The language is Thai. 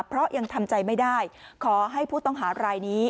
เพราะยังทำใจไม่ได้ขอให้ผู้ต้องหารายนี้